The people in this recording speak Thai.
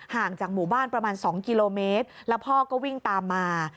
ห่างจากหมู่บ้านประมาณ๒กิโลเมตรแล้วพ่อก็วิ่งตามมา